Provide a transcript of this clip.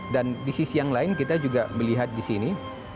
dan di sisi yang lain kita juga melihat disini